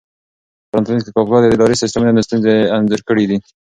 فرانتس کافکا د اداري سیسټمونو ستونزې انځور کړې دي.